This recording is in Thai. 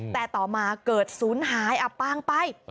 แต่ต่อมาเกิดศูนย์หายอับปางไป